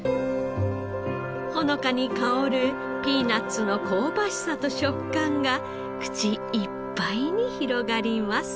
ほのかに香るピーナッツの香ばしさと食感が口いっぱいに広がります。